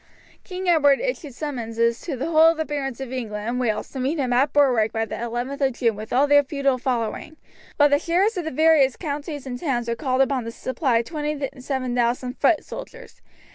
King Edward issued summonses to the whole of the barons of England and Wales to meet him at Berwick by the 11th of June with all their feudal following, while the sheriffs of the various counties and towns were called upon to supply 27,000 foot soldiers.